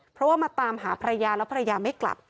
เพราะว่ามาตามหาภรรยาแล้วภรรยาไม่กลับ